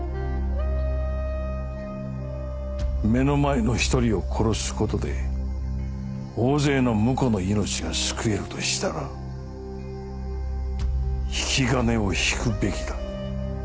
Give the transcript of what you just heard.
目の前の１人を殺す事で大勢の無辜の命が救えるとしたら引き金を引くべきだ。